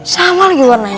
sama lagi warnanya